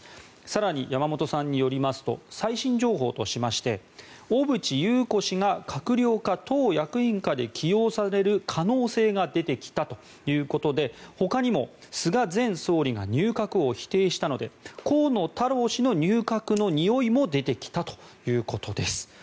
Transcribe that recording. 更に、山本さんによりますと最新情報としまして小渕優子氏が閣僚か党役員かで起用される可能性が出てきたということでほかにも菅前総理が入閣を否定したので河野太郎氏の入閣のにおいも出てきたということです。